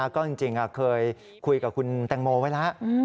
ก็จริงเคยคุยกับคุณแตงโมไว้แล้ว